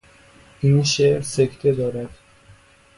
این شعر سکته دارد.